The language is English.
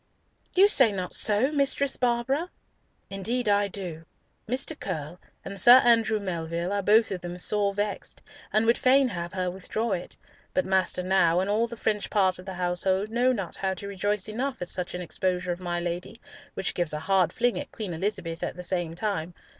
"You say not so, Mistress Barbara?" "Indeed I do. Mr. Curll and Sir Andrew Melville are both of them sore vexed, and would fain have her withdraw it; but Master Nau and all the French part of the household know not how to rejoice enough at such an exposure of my Lady, which gives a hard fling at Queen Elizabeth at the same time!